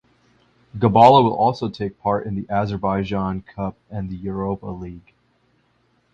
Gabala will also take part in the Azerbaijan Cup and the Europa League.